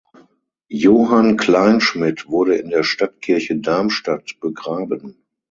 Johann Kleinschmidt wurde in der Stadtkirche Darmstadt begraben.